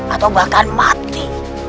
atau bahkan mati